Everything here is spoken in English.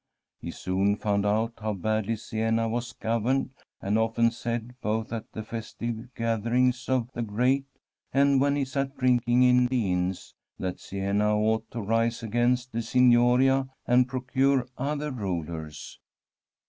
He soon found out how badly Siena was governed, and often said, both at the festive gath erings of the great and when he sat drinkine in the inns, that Siena ought to rise against the oig noria and procure other rulers.